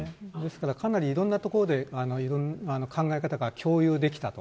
かなり、いろんなところで考え方が共有できたと。